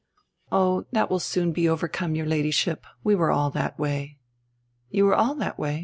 "Oh, that will soon be overcome, your Ladyship, we were all that way." "You were all that way!